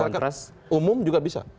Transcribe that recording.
masyarakat umum juga bisa